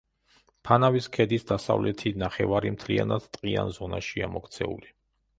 ფანავის ქედის დასავლეთი ნახევარი მთლიანად ტყიან ზონაშია მოქცეული.